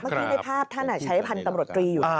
เมื่อกี้ได้ภาพท่านใช้พันธุ์ตำรวจตรีอยู่